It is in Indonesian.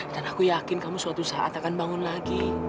dan aku yakin suatu saat kamu akan bangun lagi